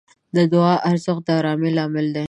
د دعا ارزښت د آرامۍ لامل دی.